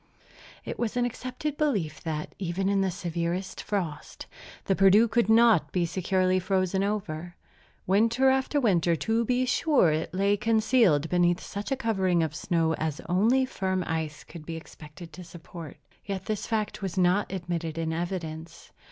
It was an accepted belief that, even in the severest frosts, the Perdu could not be securely frozen over. Winter after winter, to be sure, it lay concealed beneath such a covering of snow as only firm ice could be expected to support. Yet this fact was not admitted in evidence.